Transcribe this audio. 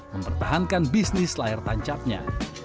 mempertahankan bisnis layar tancapnya